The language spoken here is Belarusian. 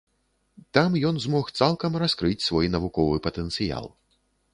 Там ён змог цалкам раскрыць свой навуковы патэнцыял.